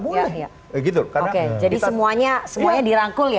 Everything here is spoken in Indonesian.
oke jadi semuanya dirangkul ya